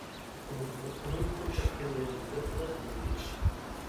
قولۇمنىڭ ئۇنىڭ قولى تەگكەن يېرى بۆلەكچىلا سېزىمدە ئىدى.